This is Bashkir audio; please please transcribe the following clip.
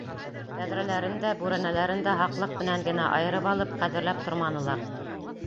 Тәҙрәләрен дә, бүрәнәләрен дә һаҡлыҡ менән генә айырып алып ҡәҙерләп торманылар.